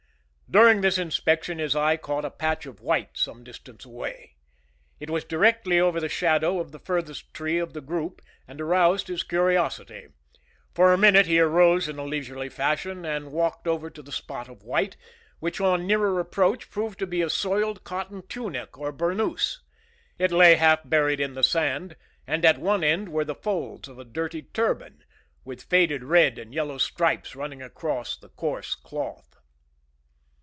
During this inspection his eye caught a patch of white some distance away. It was directly over the shadow of the furthest tree of the group, and aroused his curiosity. After a minute he arose in a leisurely fashion and walked over to the spot of white, which on nearer approach proved to be a soiled cotton tunic or burnous. It lay half buried in the sand, and at one end were the folds of a dirty turban, with faded red and yellow stripes running across the coarse cloth.